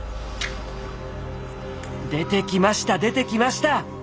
出てきました出てきました！